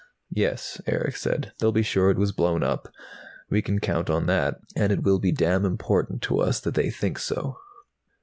"Yes," Erick said. "They'll be sure it was blown up. We can count on that. And it will be damn important to us that they think so!"